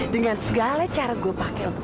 dengan segala cara gue pakai untuk